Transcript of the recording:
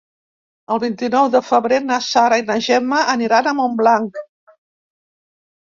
El vint-i-nou de febrer na Sara i na Gemma aniran a Montblanc.